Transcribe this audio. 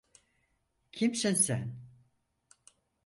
Kimsin sen?